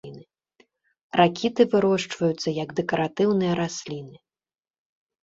Ракіты вырошчваюцца як дэкаратыўныя расліны.